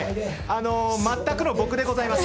全くの僕でございます。